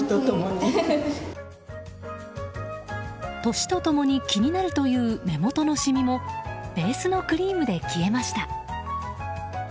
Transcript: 年と共に気になるという目元の染みもベースのクリームで消えました。